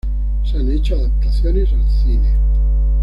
Se han hecho adaptaciones al cine.